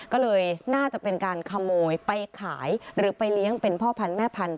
ก็เลยน่าจะเป็นการขโมยไปขายหรือไปเลี้ยงเป็นพ่อพันธ์แม่พันธุ